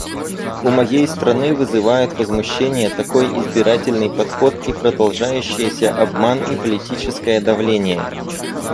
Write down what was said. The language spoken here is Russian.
У моей страны вызывают возмущение такой избирательный подход и продолжающиеся обман и политическое давление.